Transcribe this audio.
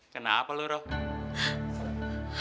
kenapa lu roh